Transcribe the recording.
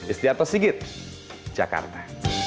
istiata sigit jakarta